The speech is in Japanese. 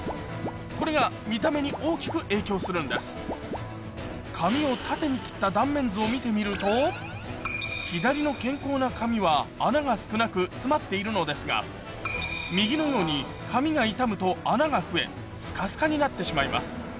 これが見た目に大きく影響するんです髪を縦に切った断面図を見てみると左の健康な髪は穴が少なく詰まっているのですが右のように髪が傷むと穴が増えすかすかになってしまいます